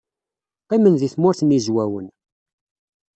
Qqimen deg Tmurt n Yizwawen.